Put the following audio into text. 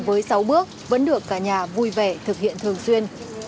với sáu bước vẫn được cả nhà vui vẻ thực hiện thường xuyên